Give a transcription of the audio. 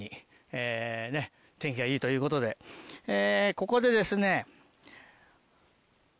ここでですね。